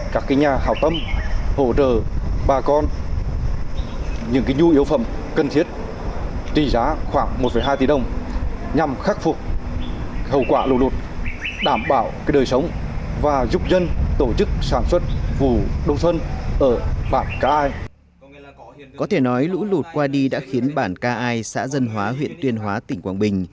có thể nói lũ lụt qua đi đã khiến bản k i xã dân hóa huyện tuyên hóa tỉnh quảng bình